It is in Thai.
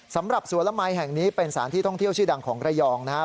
สำหรับสวนละมัยแห่งนี้เป็นสถานที่ท่องเที่ยวชื่อดังของระยองนะครับ